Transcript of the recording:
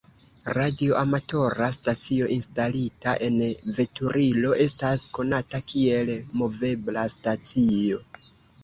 Radioamatora stacio instalita en veturilo estas konata kiel movebla stacio.